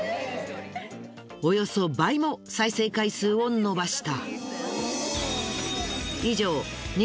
およそ倍も再生回数を伸ばした。